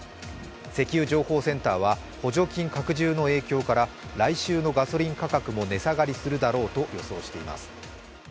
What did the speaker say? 石油情報センターは、補助金拡充の影響から来週のガソリン価格も値下がりするだろうと予想しています。